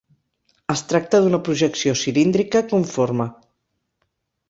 Es tracta d'una projecció cilíndrica conforme.